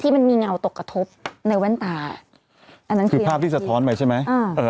มันมีเงาตกกระทบในแว่นตาอันนั้นคือภาพที่สะท้อนไปใช่ไหมอ่าเอ่อ